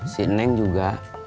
si neng juga